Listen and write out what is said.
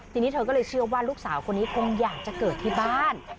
ทีนี้เธอก็เลยเชื่อว่าลูกสาวคนนี้คงอยากจะเกิดที่บ้าน